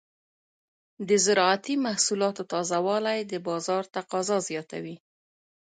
د زراعتي محصولاتو تازه والي د بازار تقاضا زیاتوي.